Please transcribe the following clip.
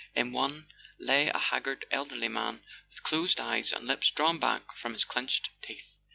In one lay a haggard elderly man with closed eyes and lips drawn back from his clenched teeth.